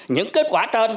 những kết quả trên